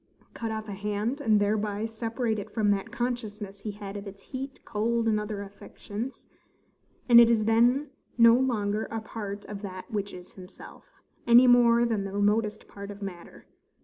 Cut off a hand, and thereby separate it from that consciousness he had of its heat, cold, and other affections, and it is then no longer a part of that which is himself, any more than the remotest part of matter.